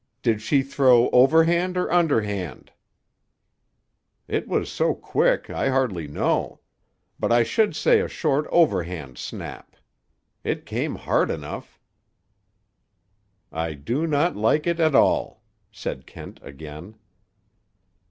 "Did she throw overhand or underhand?" "It was so quick I hardly know. But I should say a short overhand snap. It came hard enough!" "I do not like it at all," said Kent again.